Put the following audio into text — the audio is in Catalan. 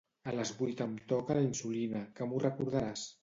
A les vuit em toca la insulina, que m'ho recordaràs?